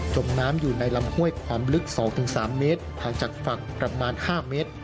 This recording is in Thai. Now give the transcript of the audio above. มน้ำอยู่ในลำห้วยความลึก๒๓เมตรห่างจากฝั่งประมาณ๕เมตร